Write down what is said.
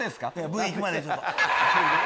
ＶＴＲ行くまでちょっと。